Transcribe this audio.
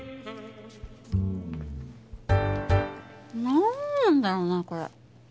なんなんだろうなこれ。